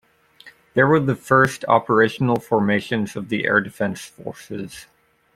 There were the first operational formations of the Air Defence Forces.